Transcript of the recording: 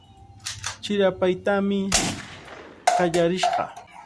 Chirapaytami qallarishqa.